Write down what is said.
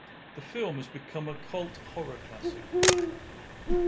The film has become a cult horror classic.